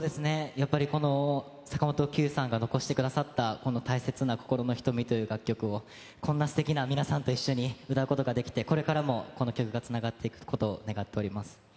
やっぱりこの坂本九さんが残してくださった、この大切な心の瞳という楽曲を、こんなすてきな皆さんと一緒に歌うことができて、これからもこの曲がつながっていくことを願っております。